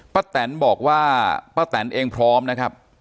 แตนบอกว่าป้าแตนเองพร้อมนะครับ